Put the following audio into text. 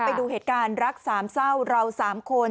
ไปดูเหตุการณ์รัก๓เศร้าเรา๓คน